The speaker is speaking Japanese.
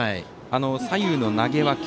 左右の投げ分け